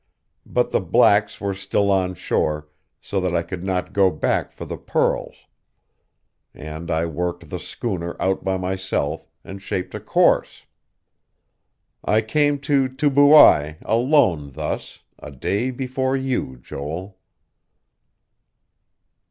But the blacks were still on shore, so that I could not go back for the pearls; and I worked the schooner out by myself, and shaped a course.... "I came to Tubuai, alone thus, a day before you, Joel."